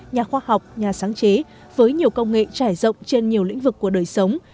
nhà khoa học nhà sáng chế với nhiều công nghệ trải rộng trên nhiều lĩnh vực của đời sống